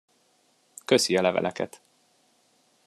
Köszi a leveleket.